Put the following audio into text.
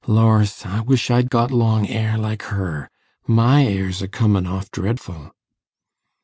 Lors! I wish I'd got long 'air like her my 'air's a comin' off dreadful.